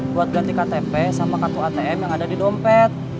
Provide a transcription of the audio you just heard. buat ganti ktp sama kartu atm yang ada di dompet